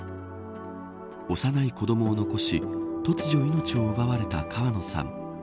幼い子どもを残し突如命を奪われた川野さん。